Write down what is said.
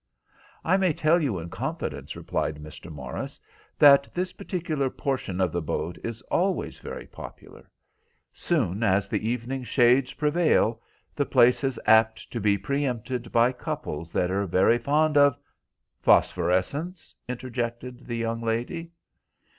"I may tell you in confidence," replied Mr. Morris, "that this particular portion of the boat is always very popular. Soon as the evening shades prevail the place is apt to be pre empted by couples that are very fond of—" "Phosphorescence," interjected the young lady.